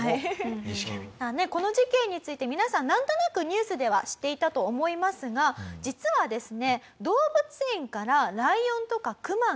この事件について皆さんなんとなくニュースでは知っていたと思いますが実はですね。